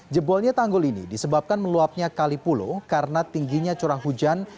jebolnya tanggul ini disebabkan meluapnya kali pulo karena tingginya curah hujan